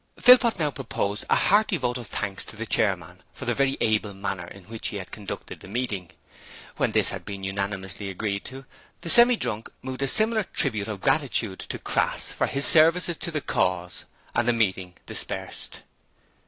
Philpot now proposed a hearty vote of thanks to the chairman for the very able manner in which he had conducted the meeting. When this had been unanimously agreed to, the Semi drunk moved a similar tribute of gratitude to Crass for his services to the cause and the meeting dispersed.